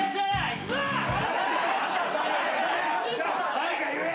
誰か言え！